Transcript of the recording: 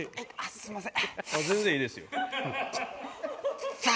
すみません。